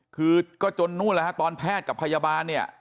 คือก็จนนู่นแล้วฮะตอนแพทย์กับพยาบาลเนี่ย